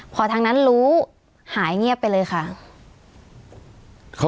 พอทางนั้นรู้หายเงียบไปเลยค่ะ